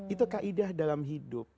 itu kaidah dalam hidup